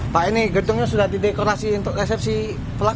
pak ini gedungnya sudah didekorasi untuk resepsi pelaku